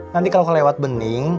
nanti kalau kelewat bening